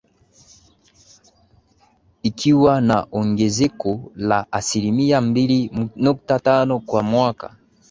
ikiwa na ongezeko la asilimia mbili nukta tano kwa mwaka